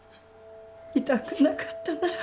痛くなかったなら。